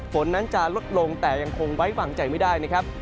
ฝนนั้นจะลดลงแต่ยังคงไว้วางใจไม่ได้นะครับ